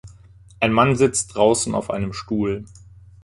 Ein Mann sitzt draußen auf einem Stuhl.